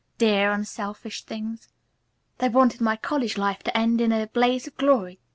Dear, unselfish things! They wanted my college life to end in a blaze of glory.